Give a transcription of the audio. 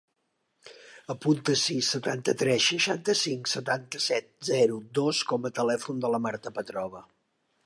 Apunta el sis, setanta-tres, seixanta-cinc, setanta-set, zero, dos com a telèfon de la Marta Petrova.